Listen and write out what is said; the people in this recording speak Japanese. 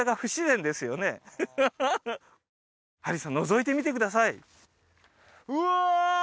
何かハリーさんのぞいてみてくださいうわ！